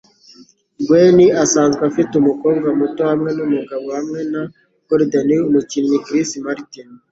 Gwen asanzwe afite umukobwa muto hamwe numugabo hamwe na Coldplay umukinnyi Chris Martin.